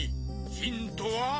ヒントは？